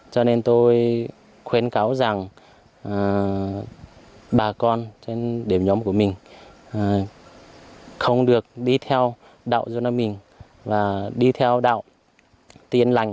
cho nên tôi khuyến cáo rằng bà con trên điểm nhóm của mình không được đi theo đạo dương văn mình và đi theo đạo tiên lành